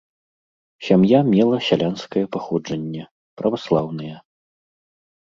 Сям'я мела сялянскае паходжанне, праваслаўныя.